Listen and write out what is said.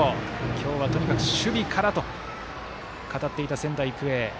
今日は、とにかく守備からと語っていた仙台育英。